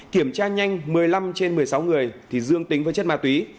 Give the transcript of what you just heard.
kiểm tra nhanh một mươi năm trên một mươi sáu người thì dương tính với chất ma túy